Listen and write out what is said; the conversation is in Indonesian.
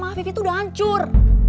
sama afif itu udah hancur